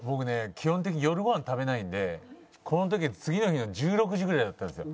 基本的に夜ご飯食べないんでこの時は次の日の１６時ぐらいだったんですよ。